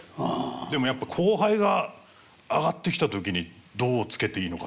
でもやっぱ後輩が上がってきた時にどうつけていいのかっていうのは悩みますね。